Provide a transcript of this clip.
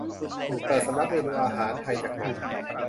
เปิดสำรับเมนูอาหารไทยจากหนัง